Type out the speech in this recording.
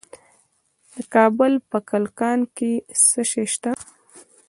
د کابل په کلکان کې څه شی شته؟